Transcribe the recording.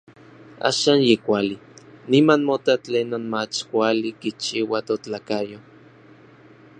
Axan yi kuali, niman mota tlenon mach kuali kichiua totlakayo.